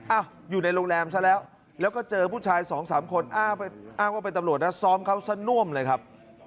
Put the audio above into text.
อยู่ในโรงแรมซะแล้วแล้วก็เจอผู้ชายสองสามคนอ้างว่าเป็นตำรวจนะซ้อมเขาซะน่วมเลยครับ